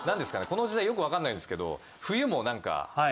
この時代よく分かんないですけど。